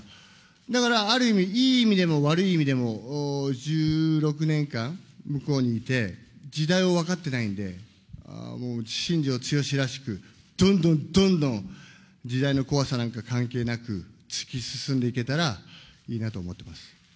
だからある意味、いい意味でも悪い意味でも、１６年間、向こうにいて、時代を分かってないんで、新庄剛志らしく、どんどんどんどん、時代の怖さなんか関係なく、突き進んでいけたらいいなと思ってます。